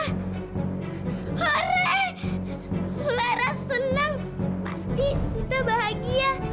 hore lara senang pasti sita bahagia